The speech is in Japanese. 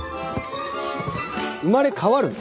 生まれ変わるの？